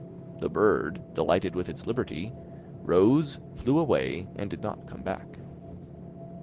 The bird, delighted with its liberty, rose, flew away and did not come back.